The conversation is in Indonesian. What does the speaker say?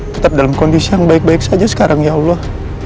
tetap dalam kondisi yang baik baik saja sekarang ya allah